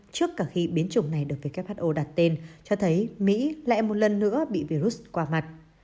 trước cả khi biến chủng này được who đặt tên cho thấy mỹ lại một lần nữa bị virus qua mặt